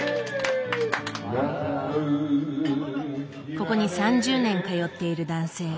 ここに３０年通っている男性。